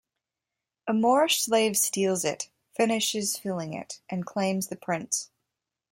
A Moorish slave steals it, finishes filling it, and claims the prince.